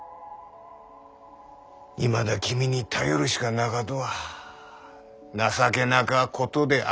いまだ君に頼るしかなかとは情けなかことであるんである。